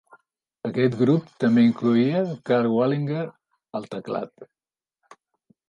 Aquest grup també incloïa Karl Wallinger al teclat.